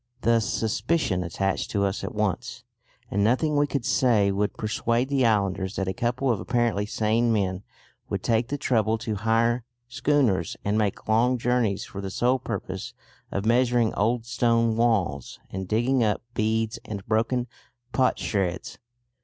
Thus suspicion attached to us at once, and nothing we could say would persuade the islanders that a couple of apparently sane men would take the trouble to hire schooners and make long journeys for the sole purpose of measuring old stone walls and digging up beads and broken potsherds.